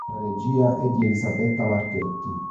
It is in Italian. La regia è di Elisabetta Marchetti.